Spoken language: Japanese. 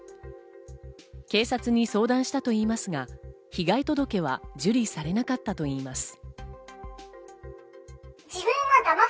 警察に相談したと言いますが、被害届は受理されなかったといいます。